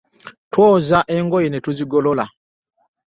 Twoza engoye ne tuzigolola.